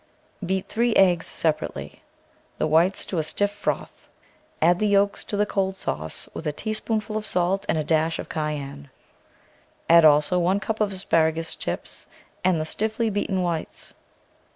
Beat three eggs separately, the whites to a stiff froth; add the j^olks to the cold sauce, with a tea spoonful of salt and a dash of caj^enne. Add also one cup of asparagus tips and the stiffly beaten whites.